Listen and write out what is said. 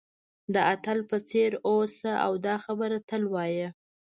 د اتل په څېر اوسه او دا خبره تل وایه.